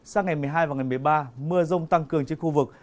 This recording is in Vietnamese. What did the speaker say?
sang ngày một mươi hai và ngày một mươi ba mưa rông tăng cường trên khu vực